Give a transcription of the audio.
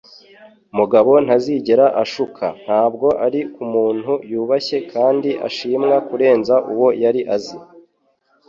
Mugabo ntazigera ashuka - ntabwo ari kumuntu yubashye kandi ashimwa kurenza uwo yari azi.